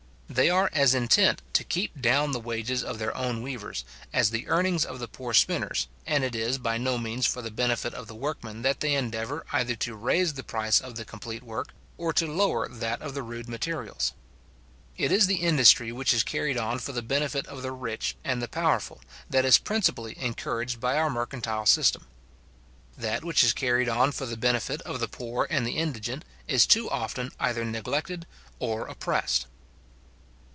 They are as intent to keep down the wages of their own weavers, as the earnings of the poor spinners; and it is by no means for the benefit of the workmen that they endeavour either to raise the price of the complete work, or to lower that of the rude materials. It is the industry which is carried on for the benefit of the rich and the powerful, that is principally encouraged by our mercantile system. That which is carried on for the benefit of the poor and the indigent is too often either neglected or oppressed.